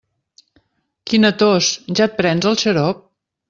Quina tos, ja et prens el xarop?